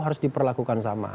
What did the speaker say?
harus diperlakukan sama